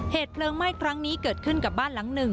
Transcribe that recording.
เหตุเพลิงไหม้ครั้งนี้เกิดขึ้นกับบ้านหลังหนึ่ง